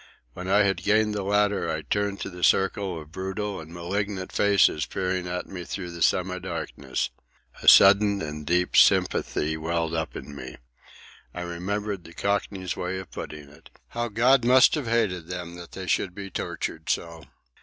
When I had gained the ladder, I turned to the circle of brutal and malignant faces peering at me through the semi darkness. A sudden and deep sympathy welled up in me. I remembered the Cockney's way of putting it. How God must have hated them that they should be tortured so!